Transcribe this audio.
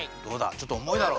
ちょっとおもいだろ。